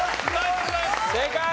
正解！